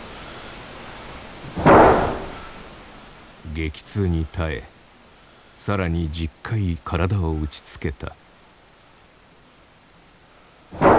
激痛に耐え更に１０回体を打ちつけた。